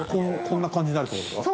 こんな感じになるって事ですか？